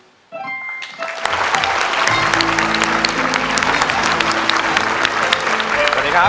สวัสดีครับ